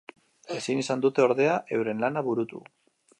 Ezin izan dute ordea euren lana burutu.